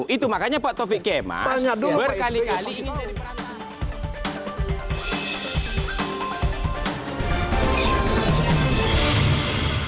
itu makanya pak tovik kemas berkali kali